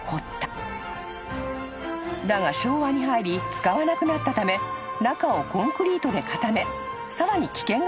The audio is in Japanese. ［だが昭和に入り使わなくなったため中をコンクリートで固めさらに危険がないよう］